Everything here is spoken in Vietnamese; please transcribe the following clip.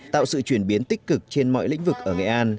tạo sự chuyển biến tích cực trên mọi lĩnh vực ở nghệ an